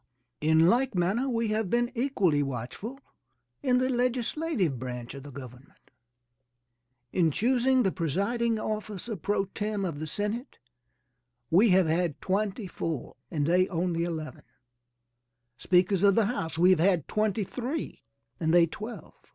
In like manner we have been equally watchful in the legislative branch of the government. In choosing the presiding officer, pro tem, of the Senate we have had twenty four and they only eleven; speakers of the house we have had twenty three and they twelve.